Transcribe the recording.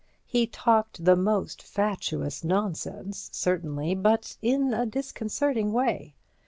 He talked the most fatuous nonsense, certainly, but in a disconcerting way.